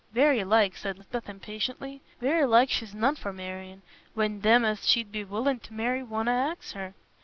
"Very like," said Lisbeth, impatiently, "very like she's none for marr'ing, when them as she'd be willin' t' marry wonna ax her.